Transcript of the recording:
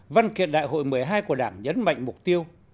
văn kiện đại hội một mươi hai của đảng nhấn mạnh mục tiêu